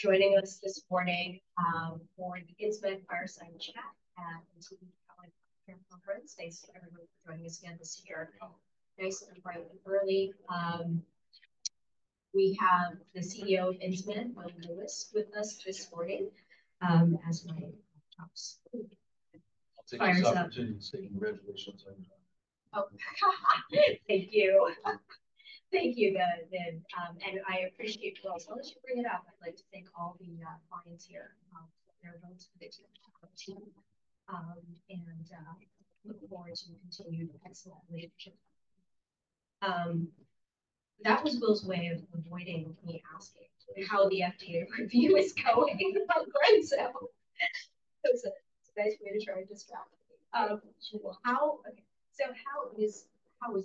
for joining us this morning for the Insmed fireside chat at the JPMorgan Healthcare Conference. Thanks to everyone for joining us again this year. Nice and bright and early. We have the CEO of Insmed, William Lewis, with us this morning as my co-host. Thank you for the opportunity to say congratulations on your. Oh, thank you. Thank you then. And I appreciate you all. As long as you bring it up, I'd like to thank all the clients here for their ability to talk to you and look forward to continued excellent leadership. That was Will's way of avoiding me asking how the FDA review is going. It's a nice way to try to distract me. So how is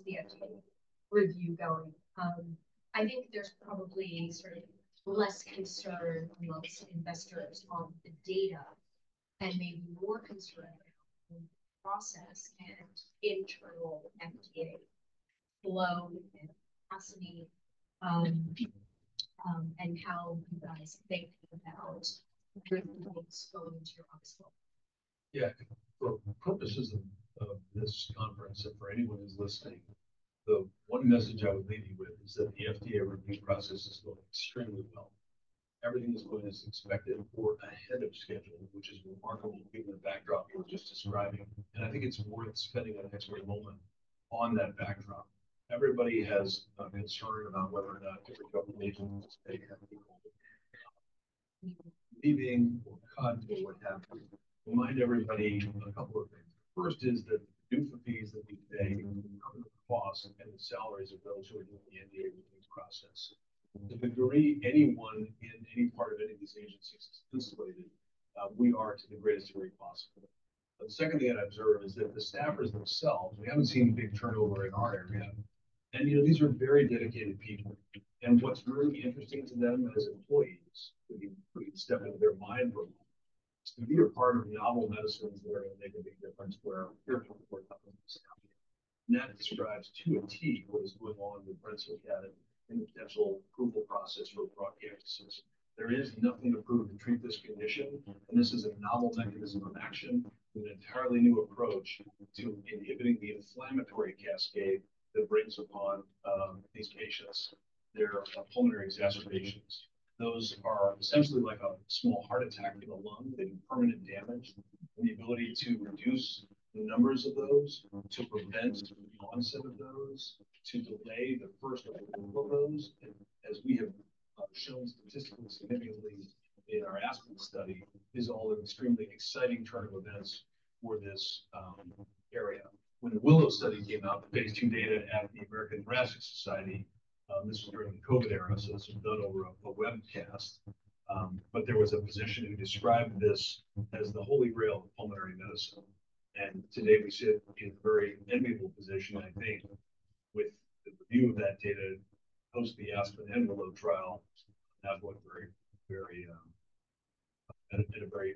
the FDA review going? I think there's probably sort of less concern among investors on the data and maybe more concern around the process and internal FDA flow and capacity and how you guys think about going to your office. Yeah. So the purposes of this conference, and for anyone who's listening, the one message I would leave you with is that the FDA review process is going extremely well. Everything is going as expected or ahead of schedule, which is remarkable given the backdrop you were just describing. And I think it's worth spending an extra moment on that backdrop. Everybody has a concern about whether or not different regulations that they have to be cut or what have you. Remind everybody of a couple of things. First is that the dues and fees that we pay cover the cost and the salaries of those who are doing the NDA review process. To the degree anyone in any part of any of these agencies is insulated, we are to the greatest degree possible. The second thing I'd observe is that the staffers themselves, we haven't seen a big turnover in our area, and these are very dedicated people. What's really interesting to them as employees, we can step into their mind for a moment, is to be a part of novel medicines that are going to make a big difference where we're here to report how things are happening, and that describes to a tee what is going on in the brensocatib in the potential approval process for bronchiectasis. There is nothing approved to treat this condition, and this is a novel mechanism of action with an entirely new approach to inhibiting the inflammatory cascade that brings upon these patients their pulmonary exacerbations. Those are essentially like a small heart attack for the lung. They do permanent damage. And the ability to reduce the numbers of those, to prevent the onset of those, to delay the first of all of those, as we have shown statistically significantly in our ASPEN study, is all an extremely exciting turn of events for this area. When the WILLOW study came out, the phase II data at the American Thoracic Society, this was during the COVID era, so this was done over a webcast, but there was a physician who described this as the holy grail of pulmonary medicine. And today we sit in a very enviable position, I think, with the view of that data post the ASPEN pivotal trial, and have worked very, very at a very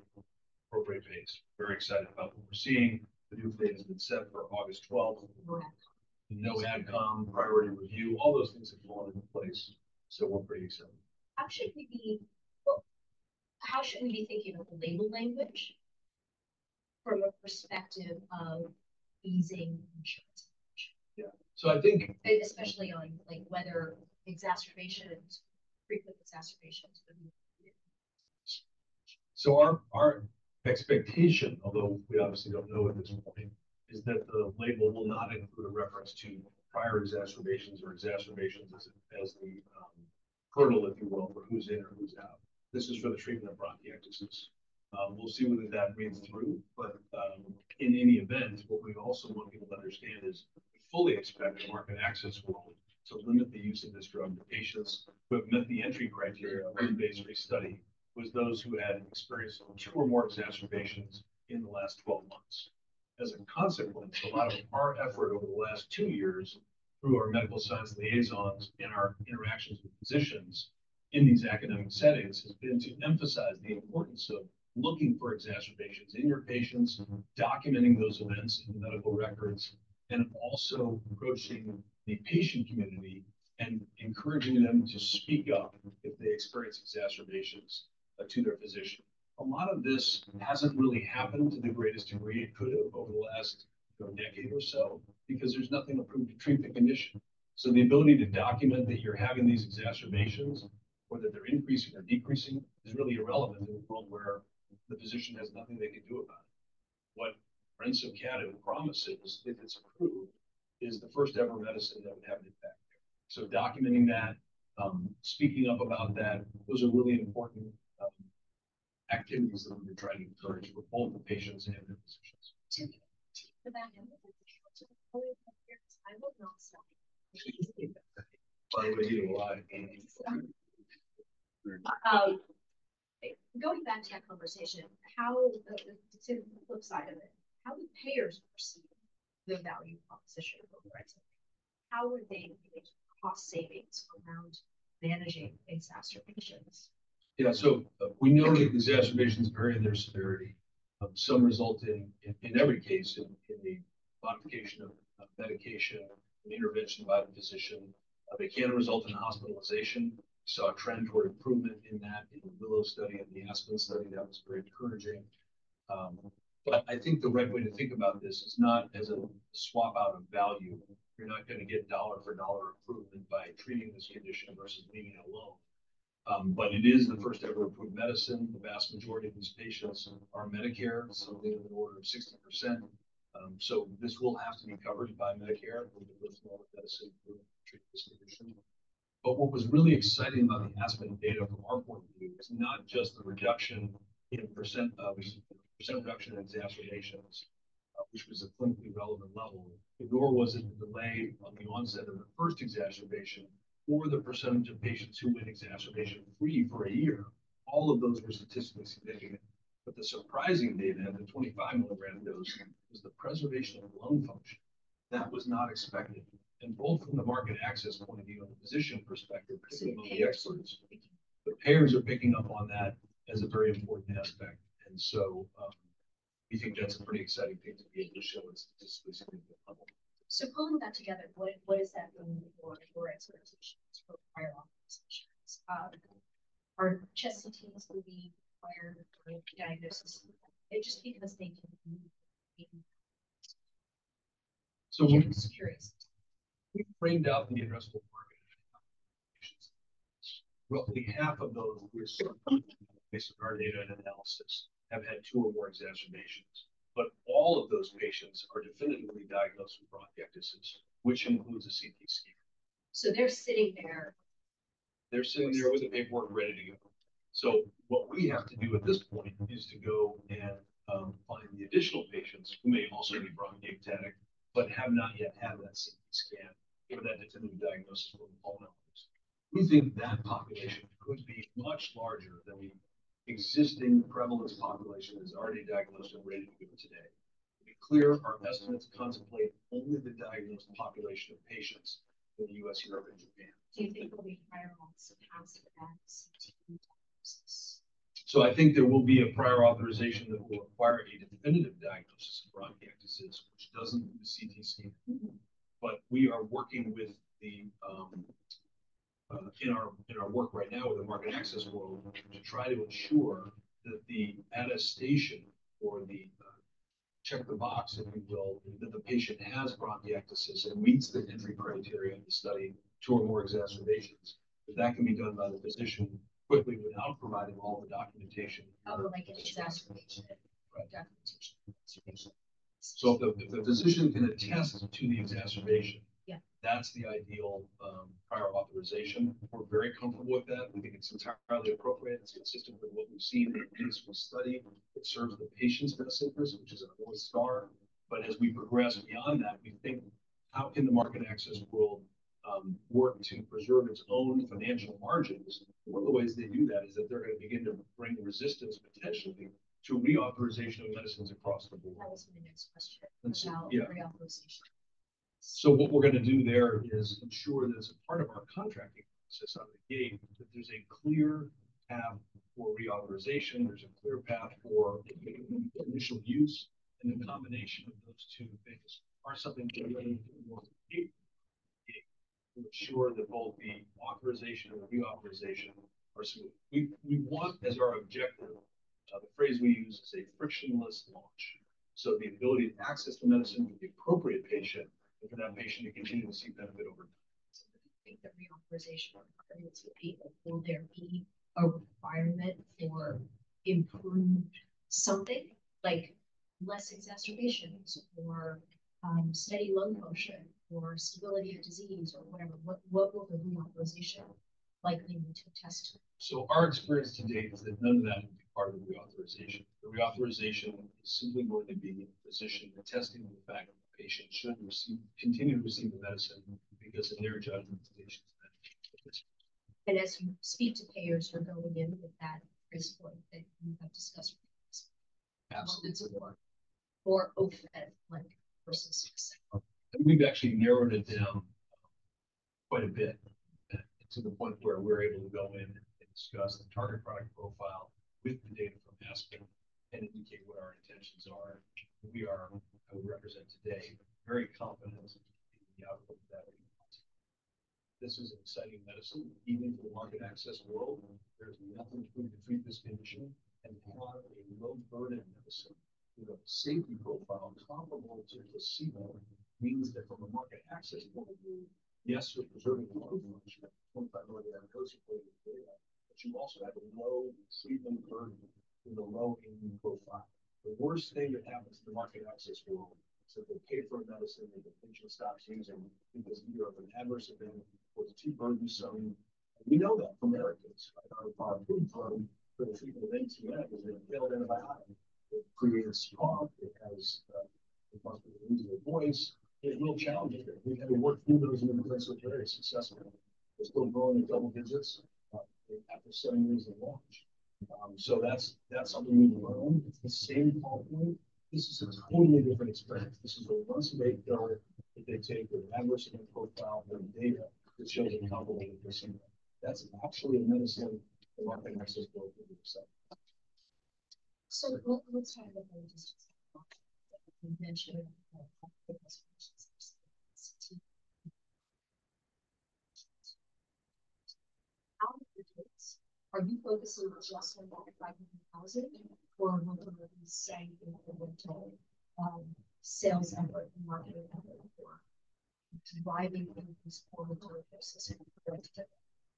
appropriate pace. Very excited about what we're seeing. The PDUFA date has been set for August 12th. No AdCom, priority review. All those things have fallen into place, so we're pretty excited. How should we be thinking of the label language from a perspective of easing insurance? Yeah. So I think. Especially on whether exacerbations, frequent exacerbations would be needed. Our expectation, although we obviously don't know at this point, is that the label will not include a reference to prior exacerbations or exacerbations as the hurdle, if you will, for who's in or who's out. This is for the treatment of bronchiectasis. We'll see whether that reads through. But in any event, what we also want people to understand is we fully expect the medical community to limit the use of this drug to patients who have met the entry criteria for the phase three study, who are those who had experienced two or more exacerbations in the last 12 months. As a consequence, a lot of our effort over the last two years through our medical science liaisons and our interactions with physicians in these academic settings has been to emphasize the importance of looking for exacerbations in your patients, documenting those events in medical records, and also approaching the patient community and encouraging them to speak up if they experience exacerbations to their physician. A lot of this hasn't really happened to the greatest degree it could have over the last decade or so because there's nothing approved to treat the condition. So the ability to document that you're having these exacerbations or that they're increasing or decreasing is really irrelevant in a world where the physician has nothing they can do about it. What brensocatib promises if it's approved is the first-ever medicine that would have an impact here. So documenting that, speaking up about that, those are really important activities that we've been trying to encourage for both the patients and the physicians. To that end, to the employees of yours, I will not stop. By the way, you have a lot. Going back to that conversation, to the flip side of it, how do payers perceive the value proposition of brensocatib? How would they engage cost savings around managing exacerbations? Yeah. So we know that exacerbations vary in their severity. Some result in, in every case, in the modification of medication and intervention by the physician. They can result in hospitalization. We saw a trend toward improvement in that in the WILLOW study and the ASPEN study. That was very encouraging. But I think the right way to think about this is not as a swap out of value. You're not going to get dollar-for-dollar improvement by treating this condition versus leaving it alone. But it is the first-ever approved medicine. The vast majority of these patients are Medicare, so they have an order of 60%. So this will have to be covered by Medicare. We'll get a little bit more medicine to treat this condition. But what was really exciting about the ASPEN data from our point of view is not just the percent reduction in exacerbations, which was a clinically relevant level, nor was it a delay in the onset of the first exacerbation or the percentage of patients who went exacerbation-free for a year. All of those were statistically significant. But the surprising data at the 25 mg dose was the preservation of lung function. That was not expected. And both from the market access point of view and the physician perspective, particularly among the experts, the payers are picking up on that as a very important aspect. And so we think that's a pretty exciting thing to be able to show at a statistically significant level. So pulling that together, what is that going to be for expectations for prior authorizations? Are chest CTs going to be required for diagnosis? Just because they can be required. We framed out the interest of the market. Roughly half of those with basically our data and analysis have had two or more exacerbations. All of those patients are definitively diagnosed with bronchiectasis, which includes a CT scan. They're sitting there. They're sitting there with a paperwork ready to go. So what we have to do at this point is to go and find the additional patients who may also be bronchiectatic but have not yet had that CT scan or that definitive diagnosis for the pulmonologist. We think that population could be much larger than the existing prevalence population that is already diagnosed and ready to go today. To be clear, our estimates contemplate only the diagnosed population of patients in the U.S., Europe, and Japan. Do you think there'll be prior authorization for that CT diagnosis? So I think there will be a prior authorization that will require a definitive diagnosis of bronchiectasis, which doesn't need a CT scan. But we are working right now with the market access world to try to ensure that the attestation or check the box, if you will, that the patient has bronchiectasis and meets the entry criteria in the study for moderate exacerbation. That can be done by the physician quickly without providing all the documentation. Oh, like an exacerbation documentation. If the physician can attest to the exacerbation, that's the ideal prior authorization. We're very comfortable with that. We think it's entirely appropriate. It's consistent with what we've seen in the previous study. It serves the patient's best interest, which is a North Star. As we progress beyond that, we think how can the market access world work to preserve its own financial margins? One of the ways they do that is that they're going to begin to bring resistance potentially to reauthorization of medicines across the board. That was my next question. So what we're going to do there is ensure that as a part of our contracting process out of the gate, that there's a clear path for reauthorization. There's a clear path for initial use. And the combination of those two things are something that we're going to be able to ensure that both the authorization and the reauthorization are smooth. We want, as our objective, the phrase we use is a frictionless launch. So the ability to access the medicine with the appropriate patient and for that patient to continue to see benefit over time. Do you think that reauthorization or the ability to pay for full therapy is a requirement for improved something like less exacerbations or steady lung function or stability of disease or whatever? What will the reauthorization likely need to test? So our experience to date is that none of that will be part of the reauthorization. The reauthorization is simply going to be a physician attesting to the fact that the patient should continue to receive the medicine because of their judgment of the patient's medication. As you speak to payers, you're going in with that price point that you have discussed with the physician. Absolutely. Or Ofev versus ASPEN. We've actually narrowed it down quite a bit to the point where we're able to go in and discuss the target product profile with the data from ASPEN and indicate what our intentions are. We are, I would represent today, very confident in the outlook that we want. This is an exciting medicine. Even for the market access world, there's nothing approved to treat this condition. And to have a low-burden medicine with a safety profile comparable to placebo means that from a market access point of view, yes, you're preserving lung function at the 25 mg dose according to the data, but you also have a low treatment burden with a low AE profile. The worst thing that happens in the market access world is that they pay for a medicine that the patient stops using because either of an adverse event or it's too burdensome. We know that from ARIKAYCE. Our approval for the treatment of NTM is an inhaled antibiotic. It creates cough. It has a possibility of losing your voice. It will challenge it. We've had to work through those complications very successfully. It's still growing at double digits after seven years of launch. So that's something we've learned. It's the same pain point. This is a totally different experience. This is a once-a-day pill that they take with an adverse event profile and data that shows a comparable medicine. That's actually a medicine the market access world would accept. Let's talk about the logistics of the launch that you mentioned about the CTs. How are you focusing on adjusting that by composing or will there be, say, a more limited sales effort and marketing effort for driving these quarter-term doses in brensocatib?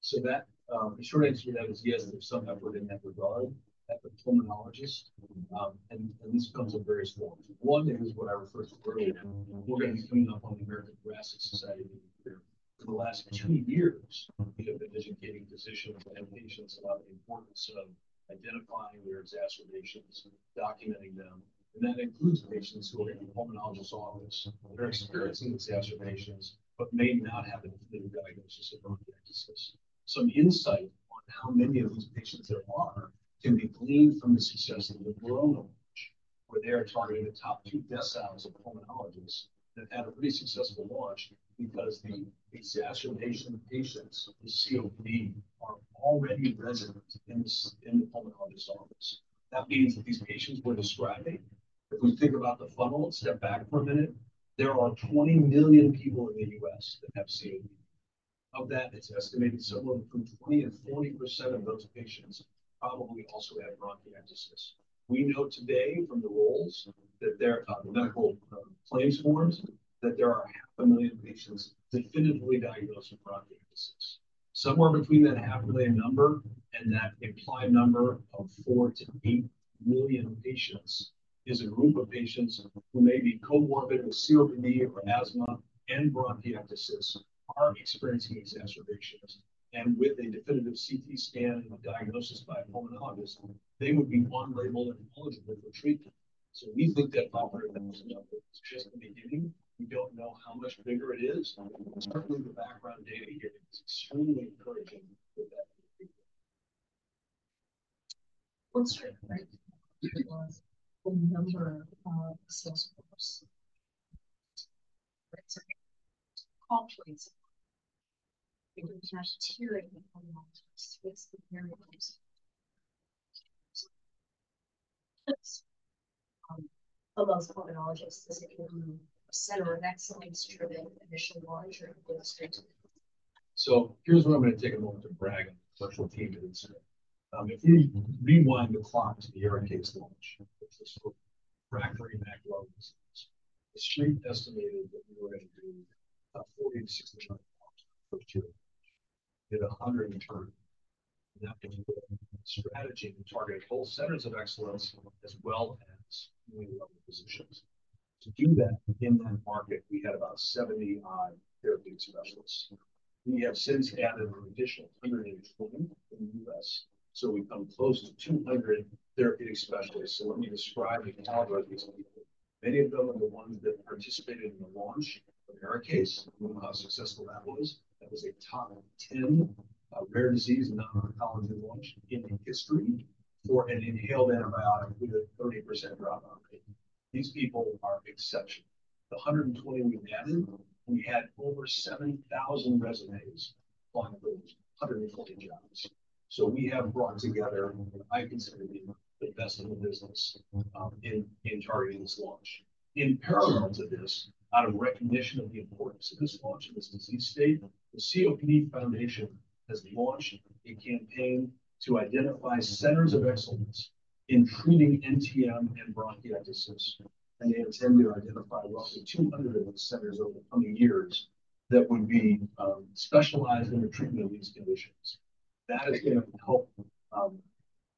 So the short answer to that is yes, there's some effort in that regard at the pulmonologist. And this comes in various forms. One is what I referred to earlier. We're going to be coming up on the American Thoracic Society for the last two years. We have been educating physicians and patients about the importance of identifying their exacerbations, documenting them. And that includes patients who are in the pulmonologist's office who are experiencing exacerbations but may not have a definitive diagnosis of bronchiectasis. Some insight on how many of these patients there are can be gleaned from the success of the WILLOW launch, where they are targeting the top two deciles of pulmonologists that had a pretty successful launch because the exacerbation patients with COPD are already resident in the pulmonologist's office. That means that these patients we're describing, if we think about the funnel and step back for a minute, there are 20 million people in the U.S. that have COPD. Of that, it's estimated somewhere between 20%-40% of those patients probably also have bronchiectasis. We know today from the real world that there are medical claims forms that there are 500,000 patients definitively diagnosed with bronchiectasis. Somewhere between that 500,000 number and that implied number of 4 million-8 million patients is a group of patients who may be comorbid with COPD or asthma and bronchiectasis are experiencing exacerbations. And with a definitive CT scan and a diagnosis by a pulmonologist, they would be on-label and eligible for treatment. So we've looked at the conservative numbers. It's just the beginning. We don't know how much bigger it is. Certainly, the background data here is extremely encouraging with that. Let's talk about the number of sales force. Caller, please. We're not hearing the pulmonologist. What's the variables? Amongst pulmonologists, is it going to be a set or an excellence-driven initial launch or a good start? Here's where I'm going to take a moment to brag on the special team at Insmed. If we rewind the clock to the ARIKAYCE launch, which was for brensocatib and MAC, the street estimated that we were going to do about $40-$60 million in our first year of launch. We did $100 million. That was a strategy to target NTM centers of excellence as well as newly-elected physicians. To do that, in that market, we had about 70 therapeutic specialists. We have since added an additional 120 in the U.S., so we've come close to 200 therapeutic specialists. Let me describe the caliber of these people. Many of them are the ones that participated in the launch of ARIKAYCE, and we know how successful that was. That was a top 10 rare disease and non-oncology launch in the history for an inhaled antibiotic with a 30% dropout rate. These people are exceptional. The 120 we added, we had over 7,000 resumes applying for those 120 jobs. So we have brought together, I consider to be, the best in the business in targeting this launch. In parallel to this, out of recognition of the importance of this launch in this disease state, the COPD Foundation has launched a campaign to identify centers of excellence in treating NTM and bronchiectasis, and they intend to identify roughly 200 of these centers over the coming years that would be specialized in the treatment of these conditions. That is going to help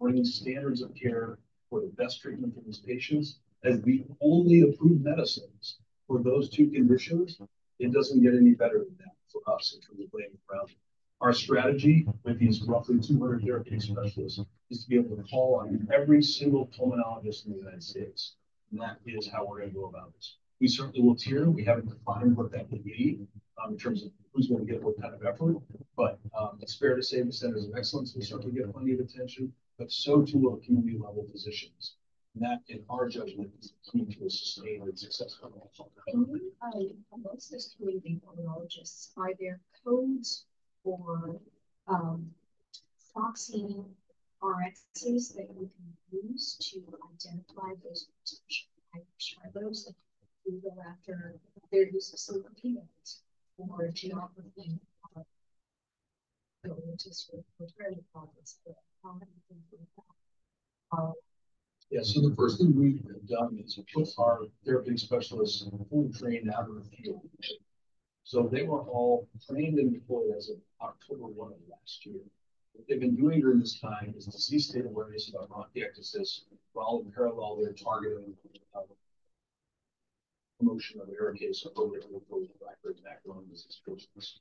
bring standards of care for the best treatment for these patients. As the only approved medicines for those two conditions, it doesn't get any better than that for us in terms of laying the groundwork. Our strategy with these roughly 200 therapeutic specialists is to be able to call on every single pulmonologist in the United States. And that is how we're going to go about this. We certainly will tier. We haven't defined what that would be in terms of who's going to get what kind of effort. But it's fair to say the centers of excellence will certainly get plenty of attention, but so too will community-level physicians. And that, in our judgment, is key to a sustained and successful launch. Among the COPD pulmonologists, are there codes or proxy RXs that you can use to identify those potential high-risk treaters that you can go after their use of some treatment or geography? I know we're just preparing to call this, but how do you think about that? Yeah. So the first thing we've done is put our therapeutic specialists in fully trained out of the field. So they were all trained and deployed as of October 1 of last year. What they've been doing during this time is disease state awareness about bronchiectasis, while in parallel, they're targeting promotion of ARIKAYCE appropriately for the brensocatib and MAC disease patients.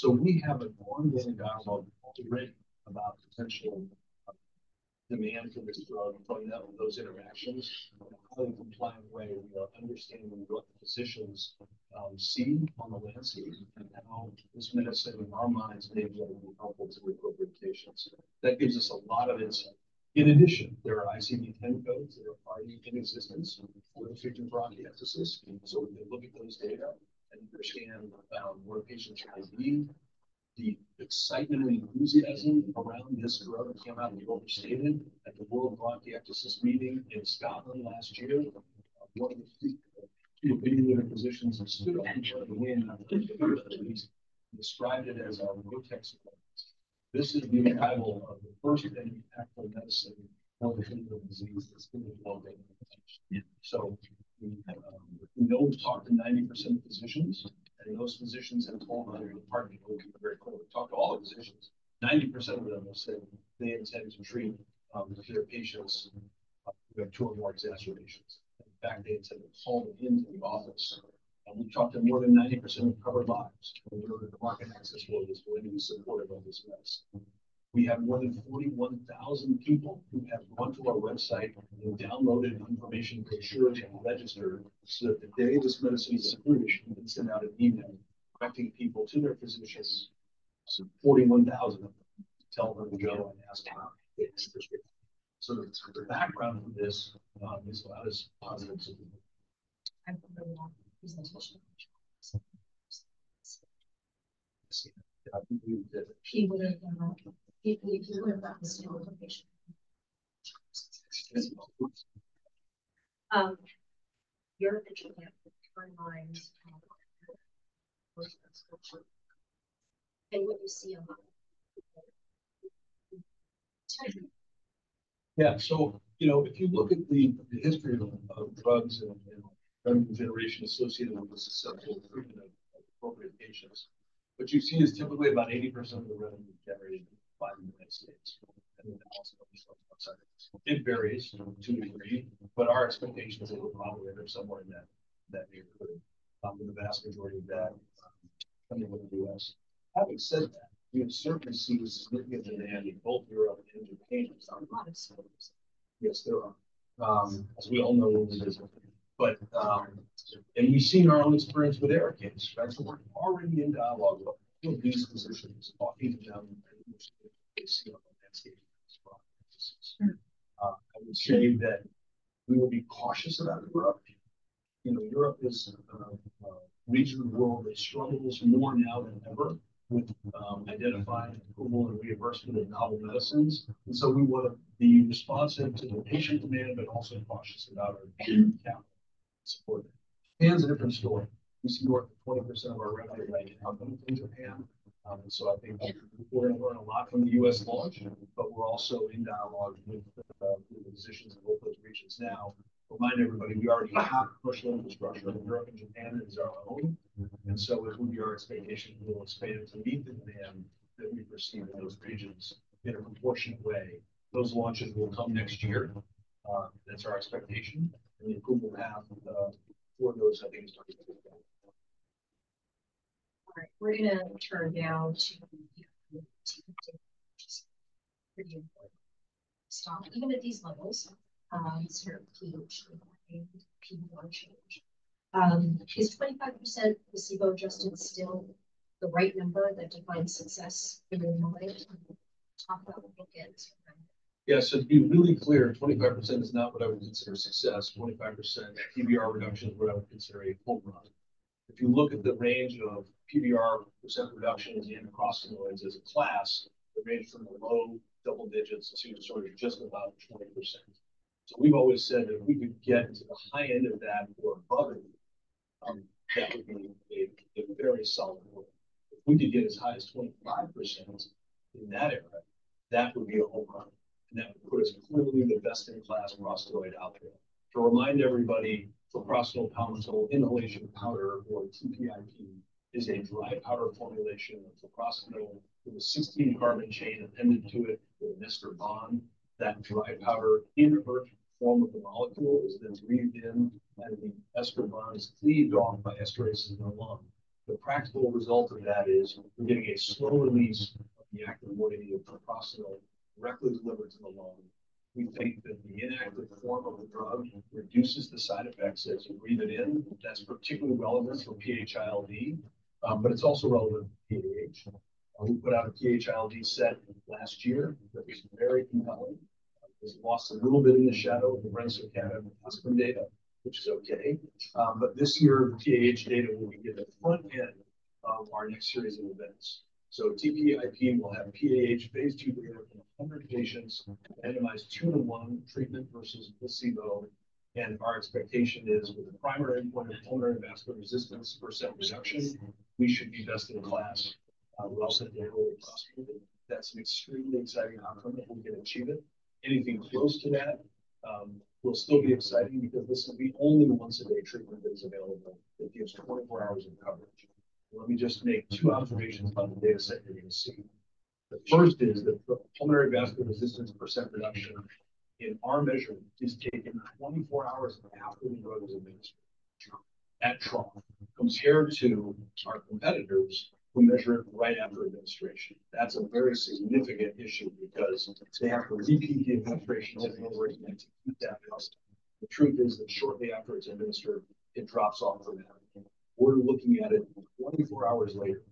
So we have a long-standing dialogue already about potential demand for this drug from those interactions. In a highly compliant way, we are understanding what the physicians see on the landscape and how this medicine, in our minds, may be able to be helpful to the appropriate patients. That gives us a lot of insight. In addition, there are ICD-10 codes that are already in existence for the treatment of bronchiectasis. So we can look at those data and understand where patients might be. The excitement and enthusiasm around this drug came out of the outset at the World Bronchiectasis Conference in Scotland last year. One of the key opinion leaders who stood up and joined the wave in the first week described it as a Vertex-like openness. This is the arrival of the first actual medicine known for the treatment of this disease that's been developed in the world. We know we've talked to 90% of physicians, and those physicians have told us, and we'll be very quick, we've talked to all the physicians. 90% of them have said they intend to treat their patients who have two or more exacerbations. In fact, they intend to call them into the office. We've talked to more than 90% of covered lives who know that the market access world is going to be supportive of this medicine. We have more than 41,000 people who have gone to our website and downloaded information to ensure they've registered so that the day this medicine is approved, we can send out an email directing people to their physicians, 41,000 of them, to tell them to go and ask for their history, so the background for this is about as positive as we can. I'm going to walk the presentation. Yeah, so if you look at the history of drugs and revenue generation associated with the successful treatment of appropriate patients, what you see is typically about 80% of the revenue generated by the United States, and then also other sources outside. It varies to a degree, but our expectations are that probably somewhere in that neighborhood, the vast majority of that coming from the U.S. Having said that, we have certainly seen a significant demand in both Europe and Japan. There are a lot of folks. Yes, there are. As we all know, there's a lot of them, and we've seen our own experience with ARIKAYCE, so we're already in dialogue with these physicians, talking to them, and they see a landscape of bronchiectasis. I would say that we will be cautious about Europe. Europe is a region of the world that struggles more now than ever with securing approval and reimbursement of novel medicines, and so we want to be responsive to the patient demand, but also cautious about our spend and support it. Japan's a different story. We see more than 20% of our revenue right now coming from Japan, and so I think we're going to learn a lot from the U.S. launch, but we're also in dialogue with the physicians in both those regions now. Remind everybody, we already have a sales infrastructure in Europe and Japan. It is our own. And so it would be our expectation we'll expand to meet the demand that we perceive in those regions in a proportionate way. Those launches will come next year. That's our expectation. And the approval path for those, I think, is going to be very good. All right. We're going to turn now to the NTM, which is pretty important. Even at these levels, sort of pH and pH change. Is 25% placebo adjusted still the right number that defines success in the long run? Talk about what we'll get from. Yeah. So to be really clear, 25% is not what I would consider success. 25% PVR reduction is what I would consider a home run. If you look at the range of PVR percent reductions across the prostacyclins as a class, the range from the low double digits to sort of just about 20%. So we've always said if we could get to the high end of that or above it, that would be a very solid goal. If we could get as high as 25% in that area, that would be a home run. And that would put us clearly the best-in-class prostacyclin out there. To remind everybody, treprostinil palmitil inhalation powder, or TPIP, is a dry powder formulation of treprostinil with a 16-carbon chain appended to it with an ester bond. That dry powder, in a virtual form of the molecule, is then breathed in, and the ester bond is cleaved off by esterases in the lung. The practical result of that is we're getting a slow release of the active moiety of treprostinil directly delivered to the lung. We think that the inactive form of the drug reduces the side effects as you breathe it in. That's particularly relevant for PH-ILD, but it's also relevant for PAH. We put out a PH-ILD set last year that was very compelling. It was lost a little bit in the shadow of the brensocatib ASPEN data, which is okay. But this year, the PAH data will be at the front end of our next series of events. So TPIP will have PAH phase II data in 100 patients, randomized two-to-one treatment versus placebo. Our expectation is, with the primary endpoint of pulmonary vascular resistance % reduction, we should be best in class. We're also going to be able to offer it. That's an extremely exciting outcome if we can achieve it. Anything close to that will still be exciting because this will be the only once-a-day treatment that is available that gives 24 hours of coverage. Let me just make two observations about the data set you're going to see. The first is that pulmonary vascular resistance % reduction in our measurement is taken 24 hours after the drug is administered in the trial compared to our competitors who measure it right after administration. That's a very significant issue because they have to repeat the administration every other week to keep that coverage. The truth is that shortly after it's administered, it drops off dramatically. We're looking at it 24 hours later.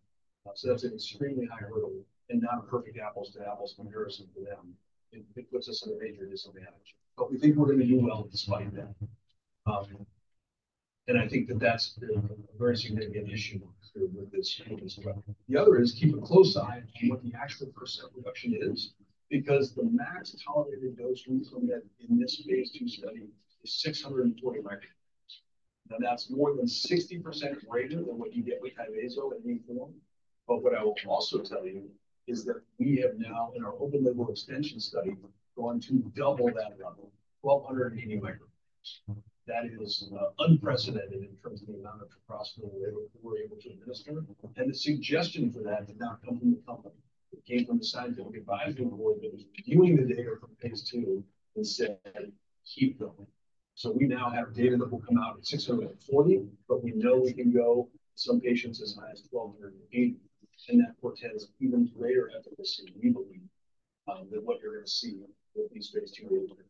That's an extremely high hurdle and not a perfect apples-to-apples comparison for them. It puts us at a major disadvantage. But we think we're going to do well despite that. And I think that that's a very significant issue with this drug. The other is keep a close eye on what the actual percent reduction is because the max tolerated dose we've submitted in this phase II study is 640 mcg. Now, that's more than 60% greater than what you get with Tyvaso in any form. But what I will also tell you is that we have now, in our open-label extension study, gone to double that level, 1,280 mcg. That is unprecedented in terms of the amount of treprostinil we were able to administer. And the suggestion for that did not come from the company. It came from the scientific advisory board that was viewing the data from phase II and said, "Keep going." So we now have data that will come out at 640, but we know we can go with some patients as high as 1,280. And that portends even greater efficacy, we believe, than what you're going to see with these phase II data today.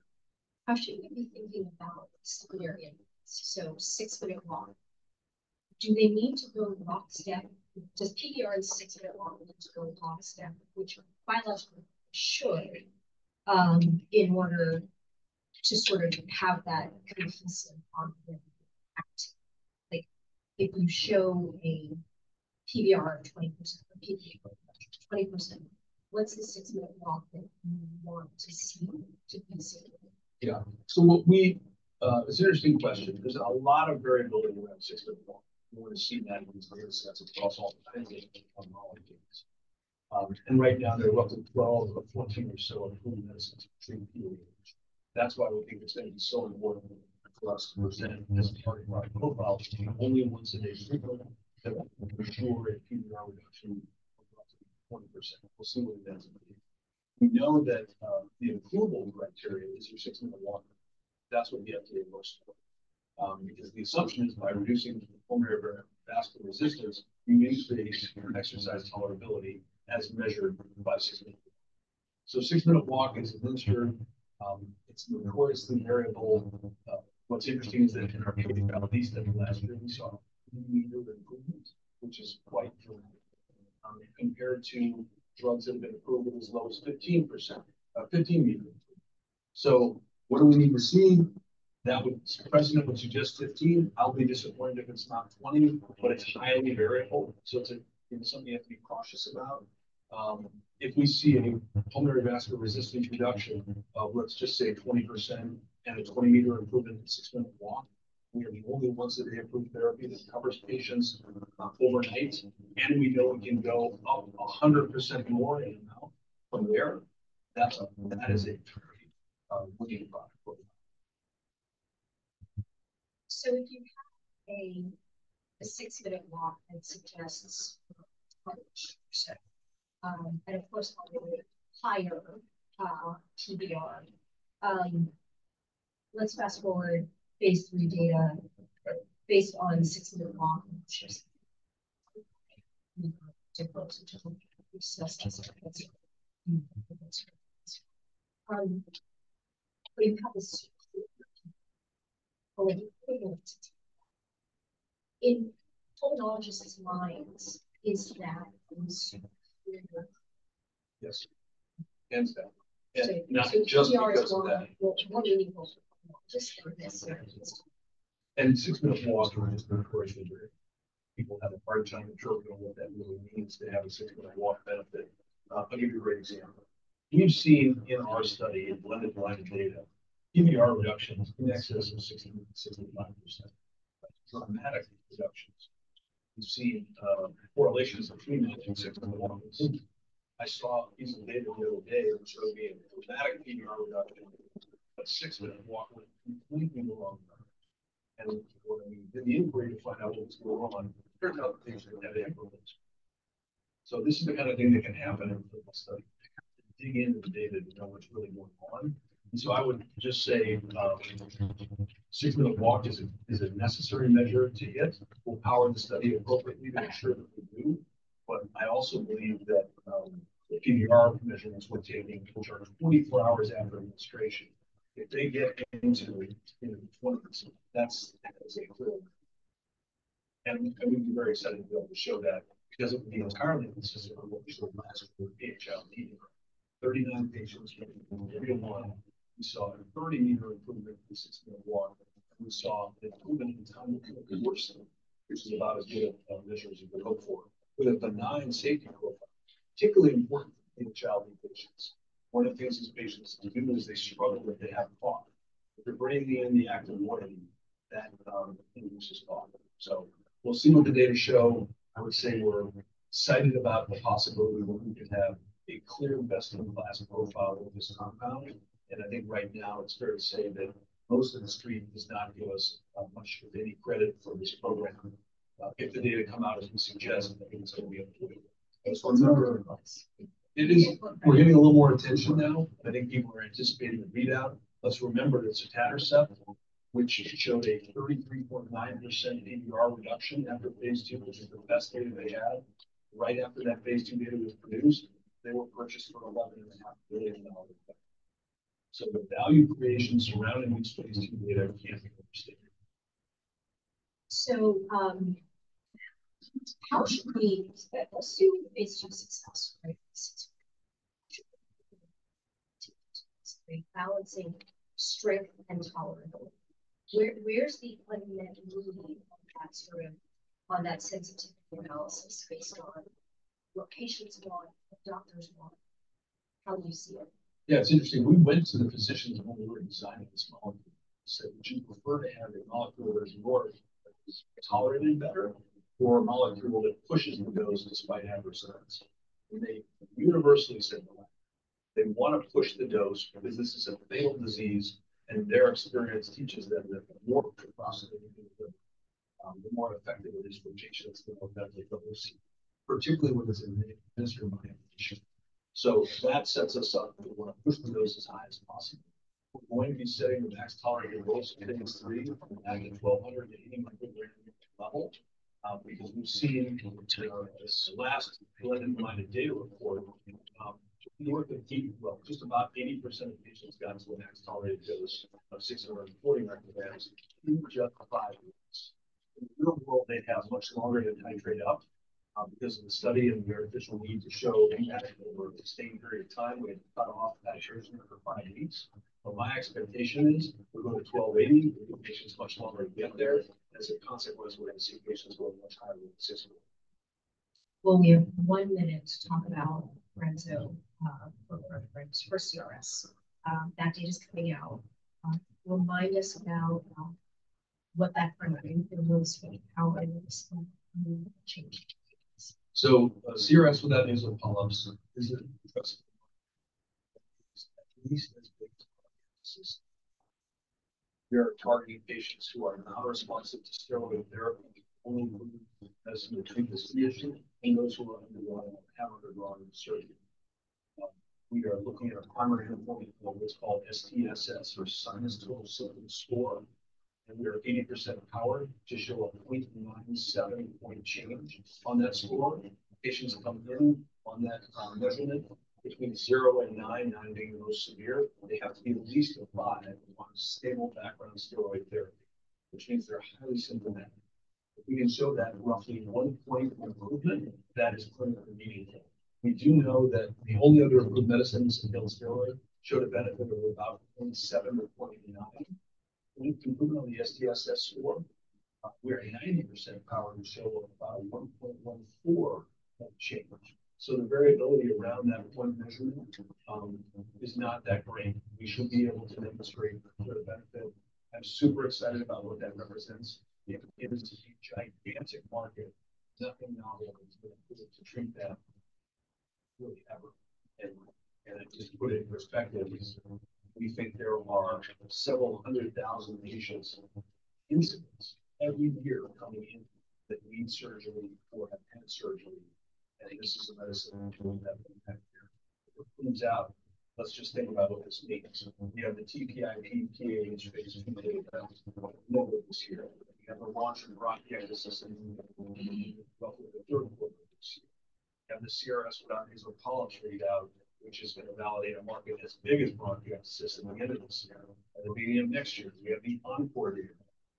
How should we be thinking about scleroderma? So six-minute walk. Do they need to go lockstep? Does PVR in six-minute walk need to go lockstep, which biologically should, in order to sort of have that cohesive ongoing activity? If you show a PVR of 20% or PAH of 20%, what's the six-minute walk that you want to see to be safe? Yeah. So it's an interesting question. There's a lot of variability around six-minute walk test. We want to see that in these data sets across all kinds of pulmonology cases. And right now, there are roughly 12 of 14 or so approved medicines to treat PAH. That's why we think it's going to be so important for us to present this part of our profile to be only once-a-day treatment that will ensure a PVR reduction of roughly 20%. We'll see what it ends up being. We know that the approval criteria is your six-minute walk test. That's what the FDA looks for. Because the assumption is by reducing pulmonary vascular resistance, you may create your exercise tolerability as measured by six-minute walk test. So six-minute walk test is administered. It's notoriously variable. What's interesting is that in our case in the Middle East and the last year, we saw a 15-m improvement, which is quite dramatic, compared to drugs that have been approved as low as 15%, a 15-m improvement. So what do we need to see? That precedent would suggest 15. I'll be disappointed if it's not 20, but it's highly variable. So it's something you have to be cautious about. If we see a pulmonary vascular resistance reduction of, let's just say, 20% and a 20-m improvement in six-minute walk, we are the only ones that have approved therapy that covers patients overnight, and we know we can go up 100% more in amount from there. That is a very winning product profile. If you have a six-minute walk that suggests 100%, and of course, a higher PVR, let's fast forward phase III data based on six-minute walk. You have this clear win. In pulmonologists' minds, is that clear win? Yes. And that's not just because of that. Just for this. And six-minute walk is an encouraging dream. People have a hard time interpreting what that really means to have a six-minute walk benefit. But you're a great example. We've seen in our study in blinded line of data, PVR reductions in excess of 60%-75%. Dramatic reductions. We've seen correlations between that and six-minute walk. I saw a piece of data the other day that showed me a dramatic PVR reduction, but six-minute walk went completely the wrong direction. And when we did the inquiry to find out what was going on, it turned out that things were negative for most people. So this is the kind of thing that can happen in a clinical study. You have to dig into the data to know what's really going on. I would just say the six-minute walk is a necessary measure to get. We'll power the study appropriately to ensure that we do. I also believe that the PVR measurements we're taking 24 hours after administration. If they get into 20%, that's a clear win. We'd be very excited to be able to show that because it would be entirely consistent with what we saw last year with PH-ILD. 39 patients with a 30-meter improvement in six-minute walk. We saw an improvement in time to worsening, which is about as good a measure as we hope for, with a benign safety profile, particularly important for PH-ILD patients. One of the things these patients do is they struggle if they have a cough. If they're bringing in the active moiety, that induces cough. We'll see what the data show. I would say we're excited about the possibility that we could have a clear best-in-class profile of this compound. I think right now, it's fair to say that most of the street does not give us much of any credit for this program. If the data come out as we suggest, I think it's going to be approved. It is. We're getting a little more attention now. I think people are anticipating the readout. Let's remember that sotatercept, which showed a 33.9% PVR reduction after phase II, which is the best data they had. Right after that phase II data was produced, they were purchased for $11.5 billion. So the value creation surrounding these phase II data can't be overstated. So how should we assume phase II success, right? Balancing strength and tolerability. Where's the blending that you need on that sort of on that sensitivity analysis based on what patients want, what doctors want? How do you see it? Yeah, it's interesting. We went to the physicians when we were designing this molecule. We said, "Would you prefer to have a molecule that is more tolerated better or a molecule that pushes the dose despite adverse effects?" and they universally said no. They want to push the dose because this is a fatal disease, and their experience teaches them that the more treprostinil they can give them, the more effective it is for patients, the more benefit they'll receive, particularly when it's administered by a patient. So that sets us up that we want to push the dose as high as possible. We're going to be setting the max tolerated dose at phase III at a 1,280 mcg level because we've seen this last blinded line of data report, north of just about 80% of patients got to a max tolerated dose of 640 mcg in just five weeks. In the real world, they'd have much longer to titrate up because of the study and the artificial need to show impact over a sustained period of time. We had to cut off titration for five weeks. But my expectation is we're going to 1,280. We'll give patients much longer to get there. As a consequence, we're going to see patients going much higher than 640. We have one minute to talk about brensocatib for CRS. That data is coming out. Remind us about what that program is and how it is changing. So CRS with nasal polyps is a target market, at least as big as polyposis. We are targeting patients who are not responsive to steroid therapy, only improved with medicine to treat this condition, and those who have undergone surgery. We are looking at a primary endpoint that's called STSS, or sinus total symptom score. And we are 80% powered to show a 0.97 point change on that score. Patients come in on that measurement between zero and nine, nine being the most severe. They have to be at least a five on stable background steroid therapy, which means they're highly symptomatic. If we can show that roughly one point improvement, that is clinically meaningful. We do know that the only other approved medicines that fail steroid showed a benefit of about 0.7 or 0.9 improvement on the STSS score. We are 90% powered to show about a 1.14 point change, so the variability around that point measurement is not that great. We should be able to demonstrate clear benefit. I'm super excited about what that represents. It is a gigantic market. Nothing novel is going to be able to treat that really ever, and to put it in perspective, we think there are several hundred thousand patient incidents every year coming in that need surgery or have had surgery, and this is a medicine that will have impact here. It comes out. Let's just think about what this means. We have the TPIP PAH phase II data that we'll publish here. We have the launch of brensocatib roughly the third quarter of this year. We have the CRS with nasal polyps readout, which is going to validate a market as big as bronchiectasis at the end of this year. At the beginning of next year, we have the ENCORE data,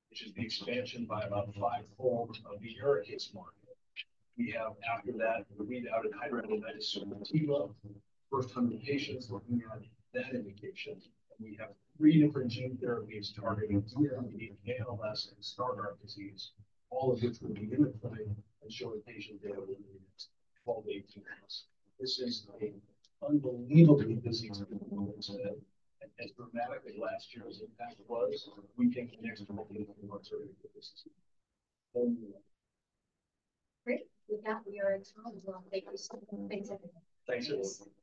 which is the expansion by about five-fold of the ARIKAYCE market. We have, after that, the readout in HS and Teva, first 100 patients looking at that indication. We have three different gene therapies targeting DMD, Myotonic Dystrophy, and Stargardt disease, all of which will be in the clinic and show the patient data we need at 12 to 18 months. This is an unbelievably busy time in the world today, and as dramatic as last year's impact was, we think the next 12 years will be much harder for this disease. Great. With that, we are at time as well. Thank you, William. Thanks, everyone. Thanks, everyone.